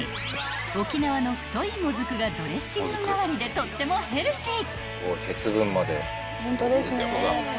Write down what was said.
［沖縄の太いもずくがドレッシング代わりでとってもヘルシー］